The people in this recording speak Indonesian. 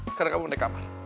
sekarang kamu mau naik kamar